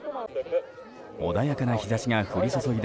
穏やかな日差しが降り注いだ